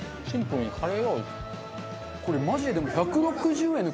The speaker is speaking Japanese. これマジででも。